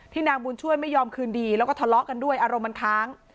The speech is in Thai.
นางบุญช่วยไม่ยอมคืนดีแล้วก็ทะเลาะกันด้วยอารมณ์มันค้าง